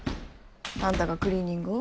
あんたがクリーニングを？